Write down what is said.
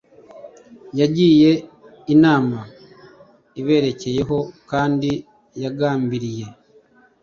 yagiye inama iberekeyeho kandi yagambiriye